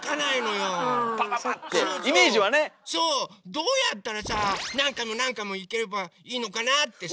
どうやったらさあ何回も何回もいければいいのかなあってさあ。